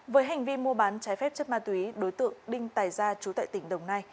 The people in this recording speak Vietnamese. với hành vi mua bán trái phép chất ma túy đối tượng đinh tài gia chú tại tỉnh đồng nai